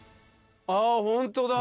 あぁホントだ。